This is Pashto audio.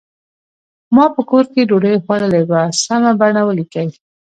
ما په کور کې ډوډۍ خوړلې وه سمه بڼه ولیکئ.